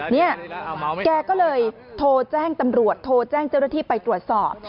เนี่ยแกก็เลยโทรแจ้งตำรวจโทรแจ้งเจ้าหน้าที่ไปตรวจสอบ